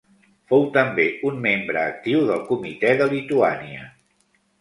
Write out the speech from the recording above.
Fou també un membre actiu del Comitè de Lituània.